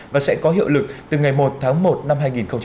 và sẽ có hiệu lực từ ngày một tháng một năm hai nghìn hai mươi